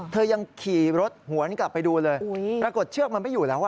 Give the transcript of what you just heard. เธอยังขี่รถหวนกลับไปดูเลยปรากฏเชือกมันไม่อยู่แล้วอ่ะ